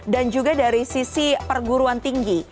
dan juga dari sisi perguruan tinggi